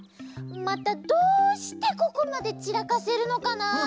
またどうしてここまでちらかせるのかな？